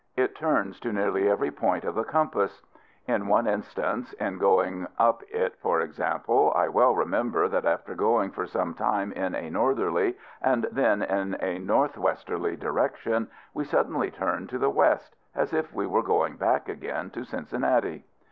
It turns to nearly every point of the compass. In one instance, in going up it, for example, I well remember that after going for some time in a northerly and then in a north westerly direction, we suddenly turned to the west, as if we were going back again to Cincinnati.